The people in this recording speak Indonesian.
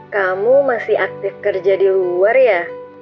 kamu masih aktif kerja di luar ya